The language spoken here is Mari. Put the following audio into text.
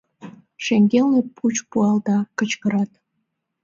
Шеҥгелне пуч пуалта, кычкырат.